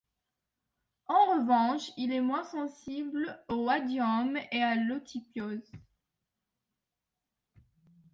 En revanche, il est moins sensible au oïdium et à l'eutypiose.